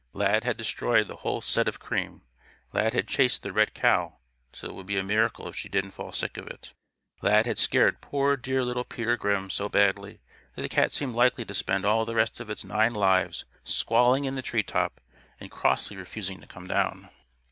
Lad had destroyed the whole "set" of cream. Lad had chased the red cow till it would be a miracle if she didn't fall sick of it. Lad had scared poor dear little Peter Grimm so badly that the cat seemed likely to spend all the rest of its nine lives squalling in the tree top and crossly refusing to come down.